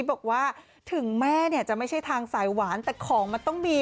บอกว่าถึงแม่เนี่ยจะไม่ใช่ทางสายหวานแต่ของมันต้องมี